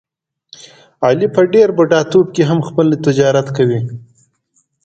علي په ډېر بوډاتوب کې هم خپل تجارت کوي.